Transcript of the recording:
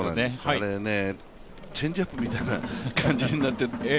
これチェンジアップみたいな感じになってね